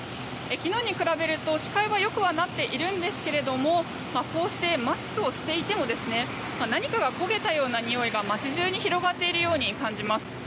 昨日に比べると視界は良くはなっているんですけどもこうしてマスクをしていても何かが焦げたようなにおいが街中に広がっているように感じます。